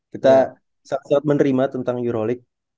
kita sehat sehat menerima tentang euroleague